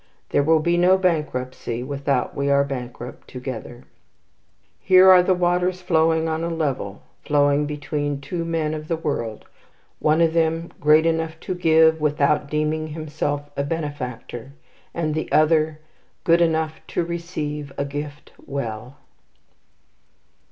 There will be no bankruptcy without we are bankrupt together." Here are the waters flowing on a level, flowing between two men of the world; one of them great enough to give, without deeming himself a benefactor, and the other good enough to receive a gift well.